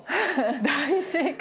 大正解！